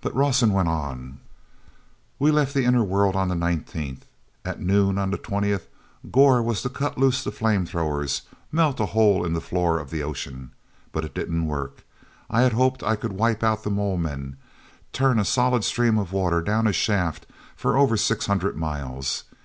But Rawson went on: "We left the inner world on the nineteenth. At noon on the twentieth Gor was to cut loose the flame throwers, melt a hole in the floor of the ocean. But it didn't work. I had hoped I could wipe out the mole men, turn a solid stream of water down a shaft for over six hundred miles.